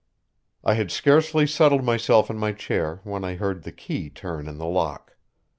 I had scarcely settled myself in my chair when I heard the key turn in the lock.